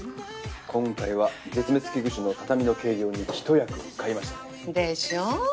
今回は絶滅危惧種の畳の継業に一役買いましたね。でしょう？